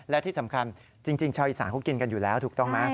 และที่สำคัญจริงชาวอีสานเขากินกันอยู่แล้วถูกต้องไหม